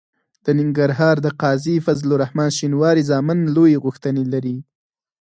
د ننګرهار د قاضي فضل الرحمن شینواري زامن لویې غوښتنې لري.